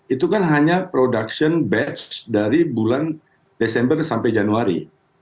itu kan hanya production batch dari bulan desember sampai januari